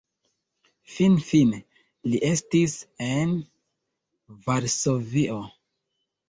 Finfine li estis en Varsovio.